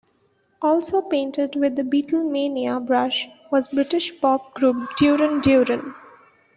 Also painted with the Beatlemania brush was British pop group Duran Duran.